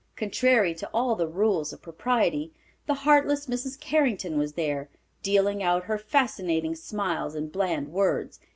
Contrary to all the rules of propriety, the heartless Mrs. Carrington was there, dealing out her fascinating smiles and bland words.